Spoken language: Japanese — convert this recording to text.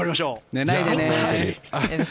寝ないでね。